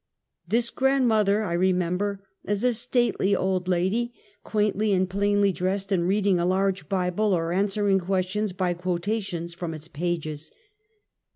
This grandmother I remember as a stately old lady, quaintly and plainly dressed, reading a large Bible or answering questions by quotations from its pages.